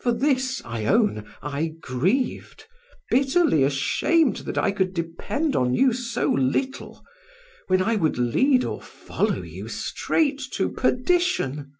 For this, I own, I grieved, bitterly ashamed that I could depend on you so little, when I would lead or follow you straight to perdition.